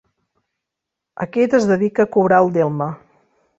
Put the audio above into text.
Aquest es dedica a cobrar el delme.